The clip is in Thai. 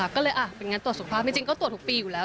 ก็เลยเป็นงั้นตรวจสุขภาพจริงก็ตรวจทุกปีอยู่แล้ว